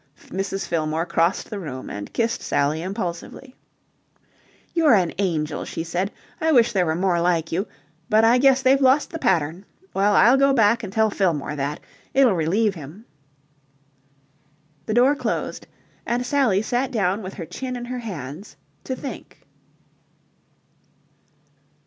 Mrs. Fillmore crossed the room and kissed Sally impulsively. "You're an angel," she said. "I wish there were more like you. But I guess they've lost the pattern. Well, I'll go back and tell Fillmore that. It'll relieve him." The door closed, and Sally sat down with her chin in her hands to think.